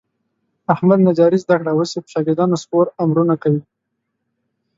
احمد نجاري زده کړه. اوس په شاګردانو سپور امرونه کوي.